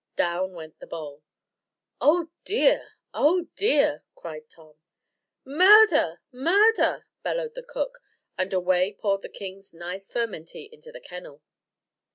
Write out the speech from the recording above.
Down went the bowl. "Oh dear! oh dear!" cried Tom. "Murder! murder!" bellowed the cook; and away poured the king's nice furmenty into the kennel.